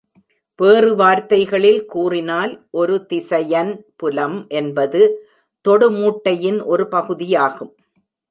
வேறு வார்த்தைகளில் கூறினால், ஒரு திசையன் புலம் என்பது தொடு மூட்டையின் ஒரு பகுதியாகும்.